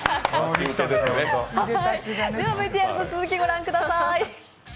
ＶＴＲの続き、ご覧ください。